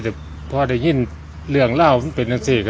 แต่พอได้ยินเรื่องเล่าเป็นอย่างสี่